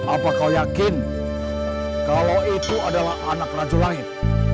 apa kau yakin kalau itu adalah anak raja langit